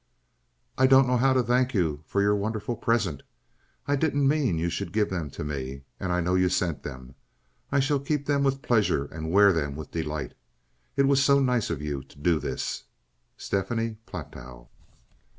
I don't know how to thank you for your wonderful present. I didn't mean you should give them to me, and I know you sent them. I shall keep them with pleasure and wear them with delight. It was so nice of you to do this. STEPHANIE PLATOW.